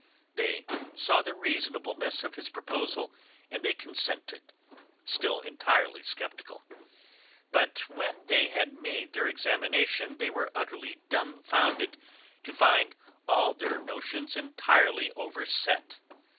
They saw the reasonableness of his proposal, and they consented, still entirely sceptical. But when they had made their examination they were utterly dumbfounded to find all their notions entirely overset.